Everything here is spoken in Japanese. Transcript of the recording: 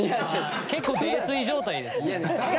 結構泥酔状態ですね。